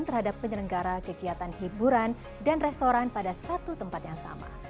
terhadap penyelenggara kegiatan hiburan dan restoran pada satu tempat yang sama